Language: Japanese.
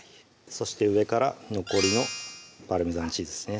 そして上から残りのパルメザンチーズですね